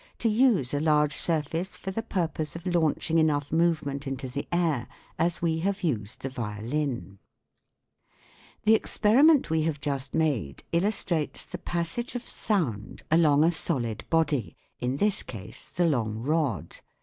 42), to use a large surface for the purpose of launching enough movement into the air, as we have used the violin. The experiment we have just made illustrates the passage of sound along a solid body in this case the long rod.